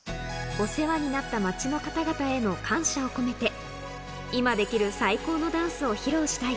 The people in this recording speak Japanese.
お世話になった町の方々への感謝を込めて、今できる最高のダンスを披露したい。